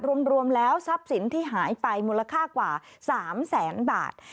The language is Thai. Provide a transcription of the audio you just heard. รวมแล้วทรัพย์สินที่หายไปมูลค่ากว่า๓แสนบาท